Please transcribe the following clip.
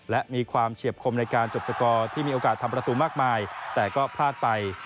และมีความเฉียบคมในการจบสกอร์ที่มีโอกาสทำประตูมากมายแต่ก็พลาดไป